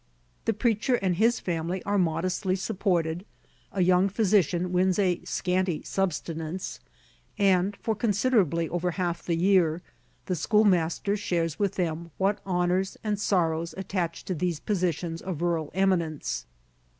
The preacher and his family are modestly supported; a young physician wins a scanty subsistence; and for considerably over half the year the schoolmaster shares with them what honors and sorrows attach to these positions of rural eminence.